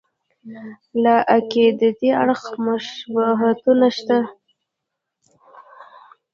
له عقیدتي اړخه مشابهتونه شته.